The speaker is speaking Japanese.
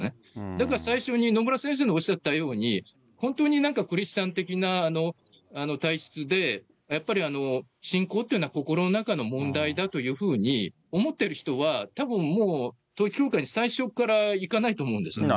だから最初に野村先生のおっしゃったように、本当になんかクリスチャン的な体質で、やっぱり信仰っていうのは心の中の問題だというふうに思ってる人は、たぶんもう統一教会に最初からいかないと思うんですよね。